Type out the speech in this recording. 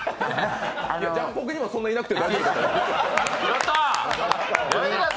ジャンポケにもそんなにいなくて大丈夫。